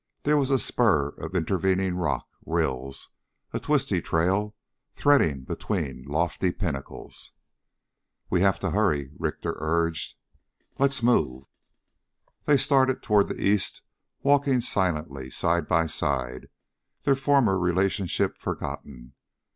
There was a spur of intervening rock ... rills ... a twisty trail threading between lofty pinnacles.... "Well have to hurry," Richter urged. "Let's move...." They started toward the east, walking silently, side by side, their former relationship forgotten.